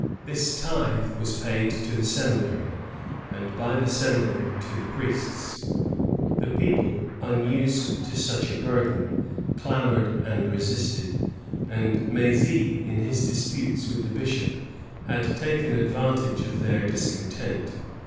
This tithe was paid to the seminary, and by the seminary to the priests. The people, unused to such a burden, clamored and resisted; and M^zy, in his disputes with the bishop, had taken advantage of their discontent.